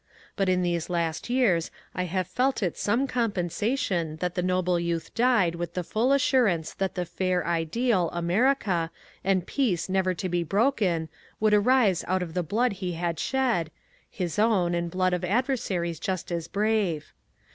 But in these last years I have felt it some compensation that the noble youth died with the full assurance that the fair ideal Amer ica, and peace never to be broken, would arise out of the blood 222 MONCURE DANIEL CONWAY he had shed, — his own, and blood of adversaries just as brave.